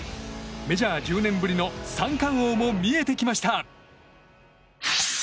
メジャー１０年ぶりの三冠王も見えてきました。